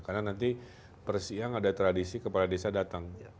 karena nanti persiang ada tradisi kepala desa datang